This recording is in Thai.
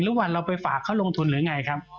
หรือว่าเราไปฝากเขาลงทุนหรือไงครับ